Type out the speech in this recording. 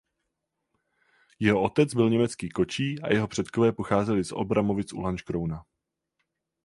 Jeho otec byl německý kočí a jeho předkové pocházeli z Olbramovic u Lanškrouna.